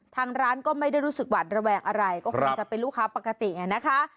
ทางร้านก็ไม่ได้รู้สึกหวาดระแวงอะไรก็คงจะเป็นลูกค้าปกตินะคะ